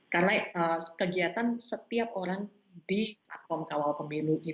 karena kegiatan setiap orang di platform kawal pemilu itu